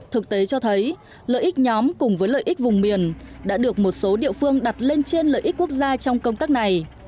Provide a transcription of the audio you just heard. thực tế cho thấy lợi ích nhóm cùng với lợi ích vùng miền đã được một số địa phương đặt lên trên lợi ích quốc gia trong công tác này